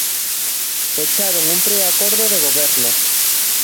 Pecharon un preacordo de Goberno.